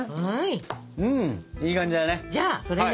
うんいい感じだね。